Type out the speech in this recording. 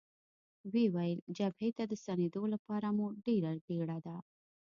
ویې ویل: جبهې ته د ستنېدو لپاره مو ډېره بېړه ده.